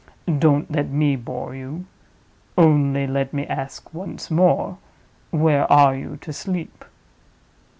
Don't let me bore you; only let me ask once more—Where are you to sleep?"